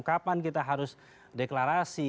kapan kita harus deklarasi